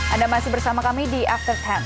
anda masih bersama kami di after sepuluh